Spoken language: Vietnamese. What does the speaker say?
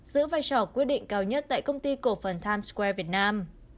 giữ vai trò quyết định cao nhất tại công ty cổ phần times square việt nam